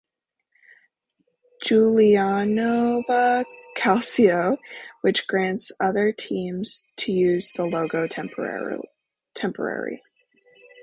Giulianova Calcio, which grants other teams to use the logo temporary.